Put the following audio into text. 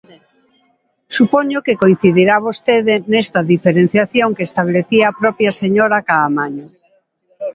Supoño que coincidirá vostede nesta diferenciación que establecía a propia señora Caamaño.